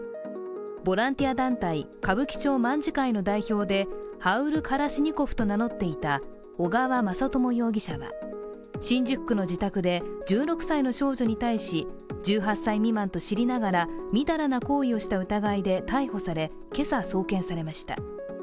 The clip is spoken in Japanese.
ボランティア団体、歌舞伎町卍会の代表でハウル・カラシニコフと名乗っていた小川雅朝容疑者は新宿区の自宅で１６歳の少女に対し１８歳未満と知りながら淫らな行為をした疑いで逮捕され今朝、送検されました。